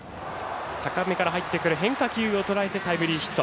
高めから入ってくる変化球をとらえタイムリーヒット。